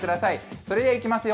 それではいきますよ。